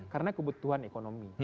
karena kebutuhan ekonomi